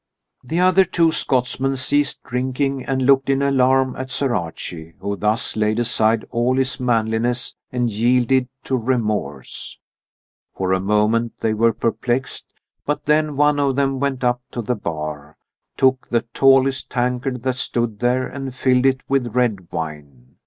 The other two Scotsmen ceased drinking and looked in alarm at Sir Archie, who thus laid aside all his manliness and yielded to remorse. For a moment they were perplexed, but then one of them went up to the bar, took the tallest tankard that stood there and filled it with red wine.